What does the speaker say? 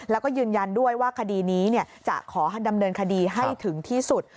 แล้วก็ยืนยันด้วยว่าคดีนี้จะขอดำเนินคดีให้ถึงที่สุด